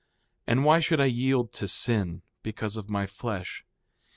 4:27 And why should I yield to sin, because of my flesh?